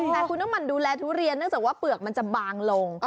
แต่คุณน้ำมันดูแลทุเรียนเนื่องจากว่าเปลือกมันจะบางลง